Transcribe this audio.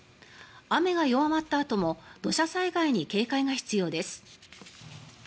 雨が弱まったあとも土砂災害に警戒が必要です。